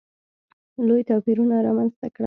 لوی توپیرونه رامځته کړل.